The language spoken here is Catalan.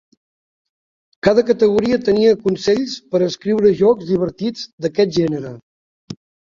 Cada categoria tenia consells per escriure jocs divertits d'aquest gènere.